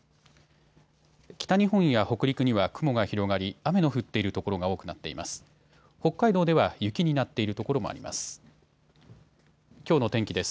北日本や北陸には雲が広がり雨の降っている所が多くなっています。